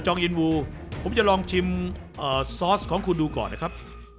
อินวูผมจะลองชิมซอสของคุณดูก่อนนะครับ